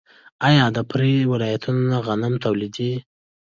آیا د پریري ولایتونه غنم نه تولیدوي؟